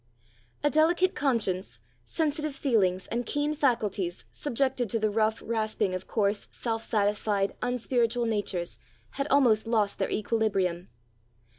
A delicate conscience, sensitive feelings, and keen faculties, subjected to the rough rasping of coarse, self satisfied, unspiritual natures, had almost lost their equilibrium.